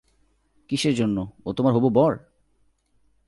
কীসের জন্য, ও তোমার হবু বর?